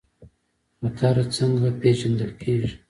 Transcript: خطر څنګه پیژندل کیږي؟